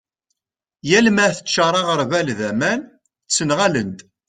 yal ma teččar aγerbal d aman ttenγalen-d